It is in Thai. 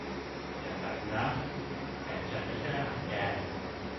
อย่ากัดนะ แขนฉันไม่ใช่อาหารแก